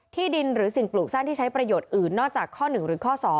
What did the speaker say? ที่ดินหรือสิ่งปลูกสร้างที่ใช้ประโยชน์อื่นนอกจากข้อ๑หรือข้อ๒